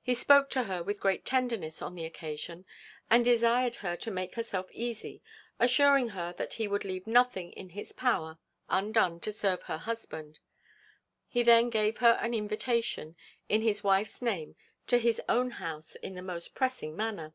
He spoke to her with great tenderness on the occasion, and desired her to make herself easy; assuring her that he would leave nothing in his power undone to serve her husband. He then gave her an invitation, in his wife's name, to his own house, in the most pressing manner.